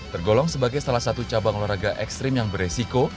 tergolong sebagai salah satu cabang olahraga ekstrim yang beresiko